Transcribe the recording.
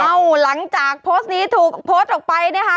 หลังจากโพสต์นี้ถูกโพสต์ออกไปนะคะ